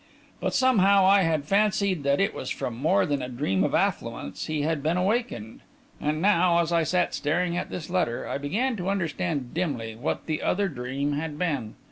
But, somehow, I had fancied that it was from more than a dream of affluence he had been awakened; and now, as I sat staring at this letter, I began to understand dimly what the other dream had been.